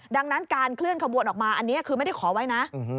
ดังนั้นการเคลื่อนขบวนออกมาอันนี้คือไม่ได้ขอไว้นะ